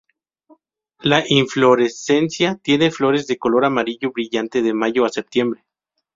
La inflorescencia tiene flores de color amarillo brillante de mayo a septiembre.